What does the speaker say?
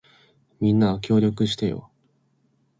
みんな、協力してよ。